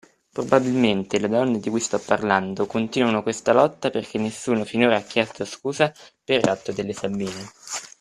Probabilmente le donne di cui sto parlando continuano questa lotta perché nessuno finora ha chiesto scusa per il ratto delle Sabine.